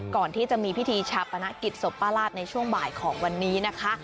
ก่อนที่จะมีพิธีชาปนกิจศพป้าราชในช่วงบ่ายของวันนี้นะคะ